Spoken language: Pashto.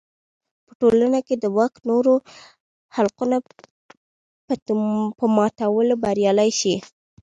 په ټولنه کې د واک نورو حلقو په ماتولو بریالی شي.